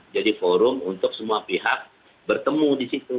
jadi forum untuk semua pihak bertemu di situ